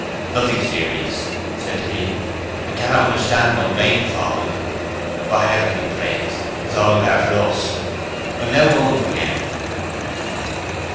"Nothing serious," said he. "I cannot understand no rain falling. But Heaven be praised, it is all the better for us. I am now going up again."